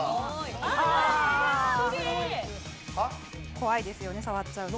怖いですよね触っちゃうと。